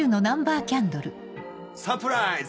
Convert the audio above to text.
サプライズ！